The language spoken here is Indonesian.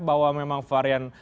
bahwa memang varian